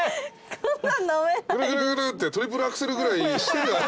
グルグルグルってトリプルアクセルぐらいしてる。